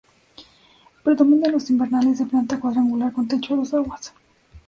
Predominan los invernales de planta cuadrangular con techo a dos aguas.